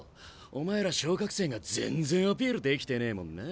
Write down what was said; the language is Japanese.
お前ら昇格生が全然アピールできてねえもんな。